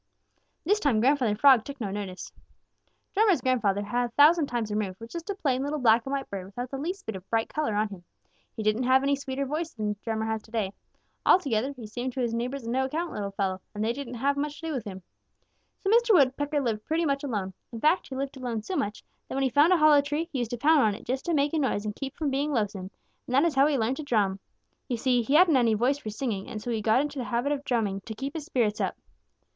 This time Grandfather Frog took no notice. "Drummer's grandfather a thousand times removed was just a plain little black and white bird without the least bit of bright color on him. He didn't have any sweeter voice than Drummer has to day. Altogether he seemed to his neighbors a no account little fellow, and they didn't have much to do with him. So Mr. Woodpecker lived pretty much alone. In fact, he lived alone so much that when he found a hollow tree he used to pound on it just to make a noise and keep from being lonesome, and that is how he learned to drum. You see, he hadn't any voice for singing, and so he got in the habit of drumming to keep his spirits up.